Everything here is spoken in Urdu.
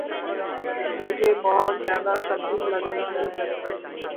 مجھے بہت زیادہ سردی لگ رہی ہے